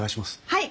はい。